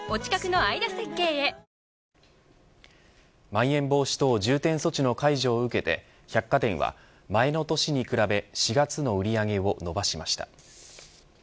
まん延防止等重点措置の解除を受けて百貨店は前の年に比べ４月の売り上げを伸ばしました。